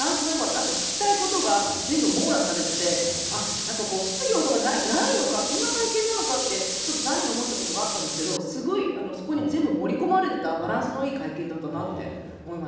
あと聞きたいことが全部網羅されてて、あっ、なんかこう、質疑応答がないのか、そんな会見なのかって、ちょっと残念に思ってたところがあったんですけれども、すごい、そこに全部盛り込まれてたバランスのいい会見だったなって思いま